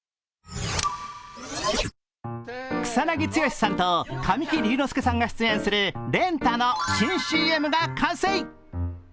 草なぎ剛さんと神木隆之介さんが出演するレンタの新ＣＭが完成。